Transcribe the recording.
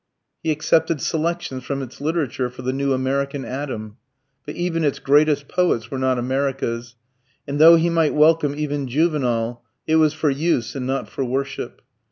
He accepted selections from its literature for the new American Adam. But even its greatest poets were not America's, and though he might welcome even Juvenal, it was for use and not for worship.